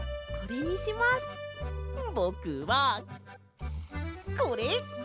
ぼくはこれ！